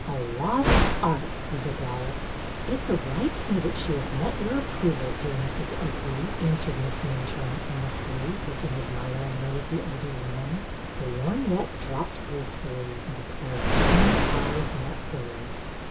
A lost art, Isabelle! '''' It delights me that she has met your ap proval, dear Mrs. Oakley,'' answered Miss Min turne, earnestly, looking admiringly at the older woman. The lorgnette dropped gracefully, and a pair of keen eyes met hers.